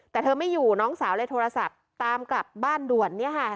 แต่เธอไม่อยู่น้องสาวเลยโทรศัพท์ตามกลับบ้านด่วนเนี่ยค่ะ